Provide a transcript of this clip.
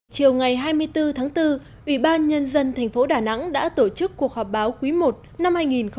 chiều ngày hai mươi bốn tháng bốn ủy ban nhân dân thành phố đà nẵng đã tổ chức cuộc họp báo quý i năm hai nghìn hai mươi